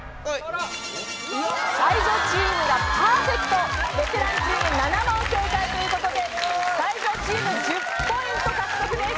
才女チームがパーフェクトベテランチーム７問正解という事で才女チーム１０ポイント獲得です。